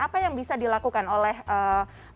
apa yang bisa dilakukan oleh pemerintah